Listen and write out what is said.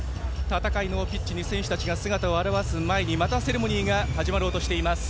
戦いのピッチに選手たちが姿を現す前にまたセレモニーが始まります。